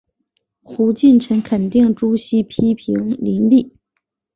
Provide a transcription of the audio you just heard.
胡晋臣肯定朱熹批评林栗。